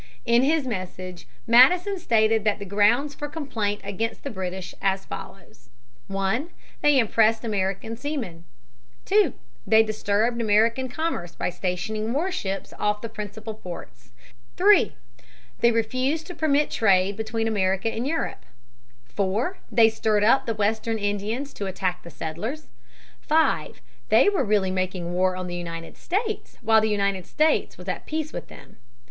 In his message Madison stated the grounds for complaint against the British as follows: (1) they impressed American seamen; (2) they disturbed American commerce by stationing warships off the principal ports; they refused to permit trade between America and Europe; (4) they stirred up the western Indians to attack the settlers; (5) they were really making war on the United States while the United States was at peace with them.